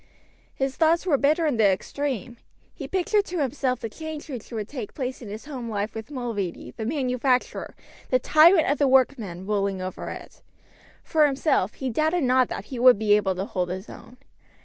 His thoughts were bitter in the extreme. He pictured to himself the change which would take place in his home life with Mulready the manufacturer, the tyrant of the workmen, ruling over it. For himself he doubted not that he would be able to hold his own.